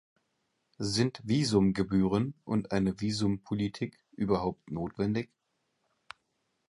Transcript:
Sind Visumgebühren und eine Visumpolitik überhaupt notwendig?